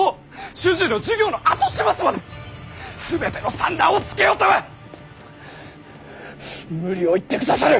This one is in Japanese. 種々の事業の後始末まで全ての算段をつけよとは無理を言ってくださる。